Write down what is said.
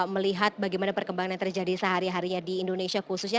melihat bagaimana perkembangan yang terjadi sehari harinya di indonesia khususnya